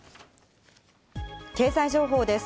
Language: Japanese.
経済情報です。